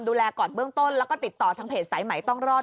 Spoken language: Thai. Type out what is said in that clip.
ดูแลก่อนเบื้องต้นแล้วก็ติดต่อทางเพจสายใหม่ต้องรอด